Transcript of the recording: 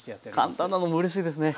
簡単なのもうれしいですね。